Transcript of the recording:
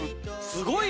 すごい。